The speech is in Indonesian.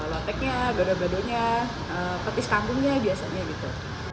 lotecnya gado gadonya petis kampungnya biasanya gitu